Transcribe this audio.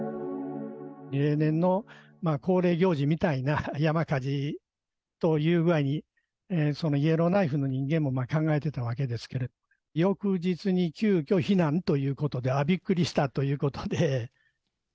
例年の恒例行事みたいな山火事という具合に、イエローナイフの人間も考えてたわけですけど、翌日に急きょ非難ということで、ああ、びっくりしたということで。